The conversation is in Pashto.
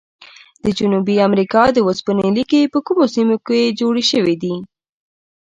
د جنوبي امریکا د اوسپنې لیکي په کومو سیمو کې جوړې شوي دي؟